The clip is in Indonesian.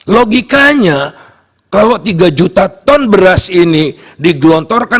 logikanya kalau tiga juta ton beras ini digelontorkan